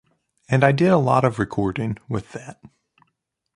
And I did a lot of recording with that.